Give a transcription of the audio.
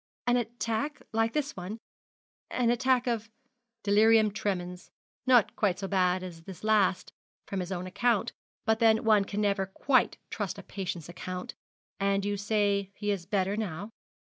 'An attack like this one an attack of ' 'Delirium tremens. Not quite so bad as this last, from his own account; but then one can never quite trust a patient's account. And you say he is better now?'